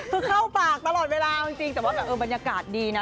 คือเข้าปากตลอดเวลาจริงแต่ว่าแบบเออบรรยากาศดีนะ